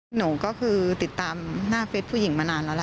หนูก็คือติดตามหน้าเฟสผู้หญิงมานานแล้วล่ะ